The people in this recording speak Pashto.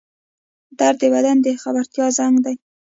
درد د بدن د خبرتیا زنګ دی